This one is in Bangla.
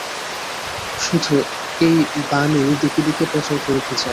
শুধু এই বাণী দিকে দিকে প্রচার করিতে চাই।